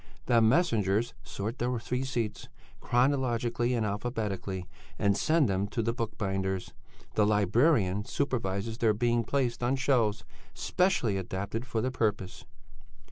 "'The messengers sort the receipts, chronologically and alphabetically, and send them to the book binders; the librarian supervises their being placed on shelves specially adapted for the purpose.'"